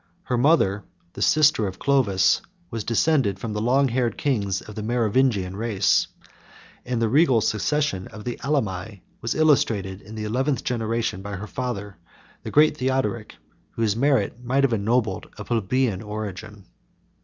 Her mother, the sister of Clovis, was descended from the long haired kings of the Merovingian race;53 and the regal succession of the Amali was illustrated in the eleventh generation, by her father, the great Theodoric, whose merit might have ennobled a plebeian origin.